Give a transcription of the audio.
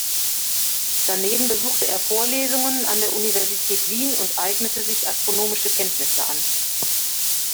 Daneben besuchte er Vorlesungen an der Universität Wien und eignete sich astronomische Kenntnisse an.